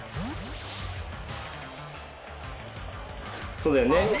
そうだよね。